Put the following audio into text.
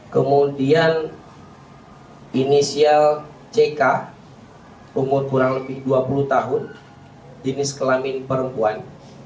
kemudian inisial ck umur kurang lebih dua puluh tahun jenis kelamin perempuan